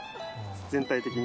全体的に。